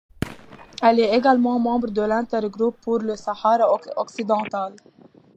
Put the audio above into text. Elle est également membre de l'intergroupe pour le Sahara occidental.